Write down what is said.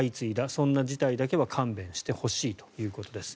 そんな事態だけは勘弁してほしいということです。